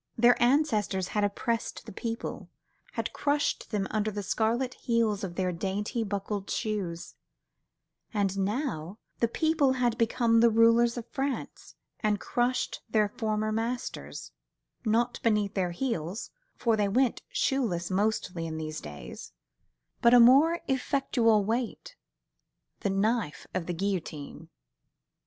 Their ancestors had oppressed the people, had crushed them under the scarlet heels of their dainty buckled shoes, and now the people had become the rulers of France and crushed their former masters—not beneath their heel, for they went shoeless mostly in these days—but beneath a more effectual weight, the knife of the guillotine.